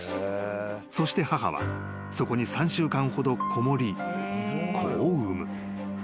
［そして母はそこに３週間ほどこもり子を産む］